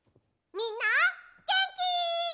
みんなげんき？